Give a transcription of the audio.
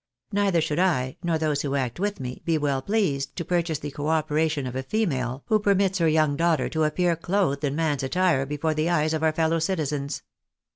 Neither should I, nor those who act with me, be well pleased to purchase the co operation of a female, who permits her young daughter to appear clothed in man's attire before the eyes of our fellow citizens.